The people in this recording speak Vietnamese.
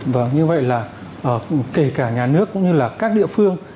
vâng như vậy là kể cả nhà nước cũng như là các địa phương